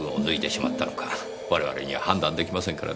我々には判断できませんからね。